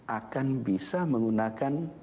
akan bisa menggunakan